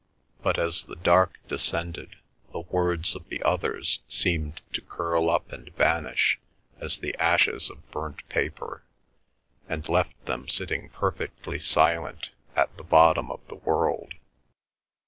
But as the dark descended, the words of the others seemed to curl up and vanish as the ashes of burnt paper, and left them sitting perfectly silent at the bottom of the world.